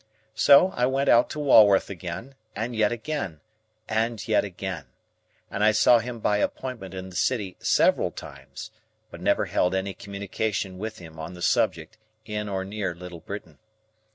So, I went out to Walworth again, and yet again, and yet again, and I saw him by appointment in the City several times, but never held any communication with him on the subject in or near Little Britain.